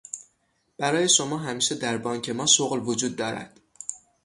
برای شما همیشه در بانک ما شغل وجود دارد.